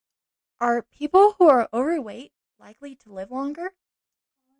Are people who are overweight likely to live longer?